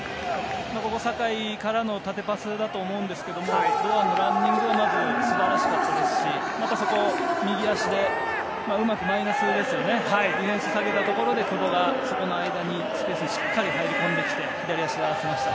酒井からの縦パスだと思うんですけど堂安のランニングがまず、素晴らしかったですしまたそこを右足でうまくマイナスにディフェンス下げたところで久保が、そこの間のスペースにしっかり入り込んできまして左足で合わせました。